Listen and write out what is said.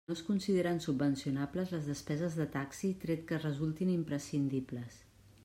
No es consideren subvencionables les despeses de taxi tret que resultin imprescindibles.